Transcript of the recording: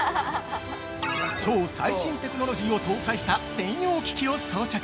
◆超最新テクノロジーを搭載した専用機器を装着。